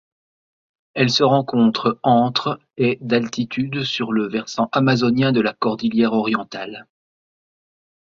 Elle se rencontre entre et d'altitude sur le versant amazonien de la cordillère Orientale.